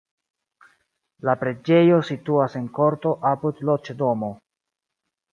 La preĝejo situas en korto apud loĝdomo.